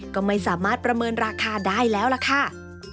ก็ไม่สามารถประเมินราคาได้แล้วล่ะค่ะ